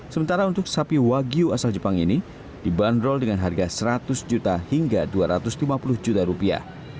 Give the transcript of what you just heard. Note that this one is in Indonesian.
sementara untuk sapi wagyu asal jepang ini dibanderol dengan harga seratus juta hingga dua ratus lima puluh juta rupiah